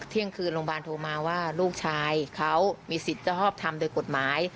เที่ยงคืนโรงพยาบาลโทรมาว่าลูกชายเขามีสิทธิ์จะชอบทำโดยกฎหมาย